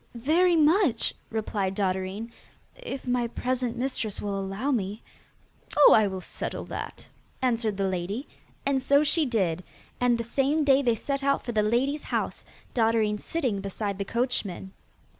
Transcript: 'Very much,' replied Dotterine, 'if my present mistress will allow me.' 'Oh, I will settle that,' answered the lady; and so she did, and the same day they set out for the lady's house, Dotterine sitting beside the coachman.